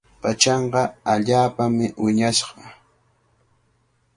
Pachanqa allaapami wiñashqa.